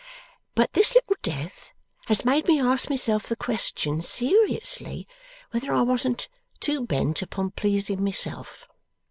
But this little death has made me ask myself the question, seriously, whether I wasn't too bent upon pleasing myself.